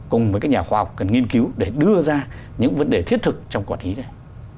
cùng với các nhà khoa học cần nghiên cứu để đưa ra những vấn đề thiết thực trong quản lý này